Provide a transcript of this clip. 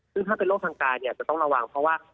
ซึ่งถ้าเป็นโรคทางกายเนี่ยจะต้องระวังเพราะว่า